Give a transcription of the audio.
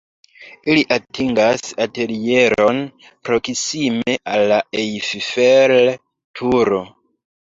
Ili atingas atelieron proksime al la Eiffel-Turo.